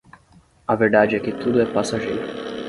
A verdade é que tudo é passageiro.